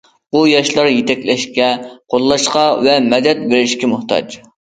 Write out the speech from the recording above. بۇ ياشلار يېتەكلەشكە، قوللاشقا ۋە مەدەت بېرىشكە موھتاج.